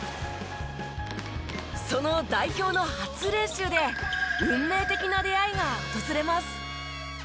その代表の初練習で運命的な出会いが訪れます。